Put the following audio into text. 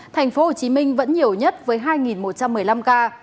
thành phố hồ chí minh vẫn nhiều nhất với hai một trăm một mươi năm ca